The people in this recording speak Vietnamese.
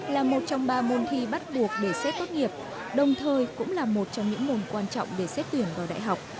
là một trong ba môn thi bắt buộc để xét tốt nghiệp đồng thời cũng là một trong những môn quan trọng để xét tuyển vào đại học